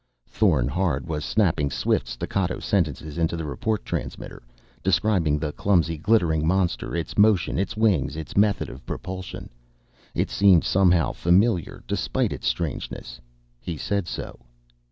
Thorn Hard was snapping swift, staccato sentences into the report transmitter. Describing the clumsy glittering monster, its motion; its wings; its method of propulsion. It seemed somehow familiar despite its strangeness. He said so.